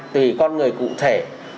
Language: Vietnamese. tùy con người cụ thể